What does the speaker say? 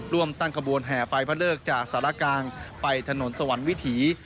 ร่วมตั้งขบวนแห่ไฟพระเลิกจากสารกลางไปถนนสวรรค์วิถี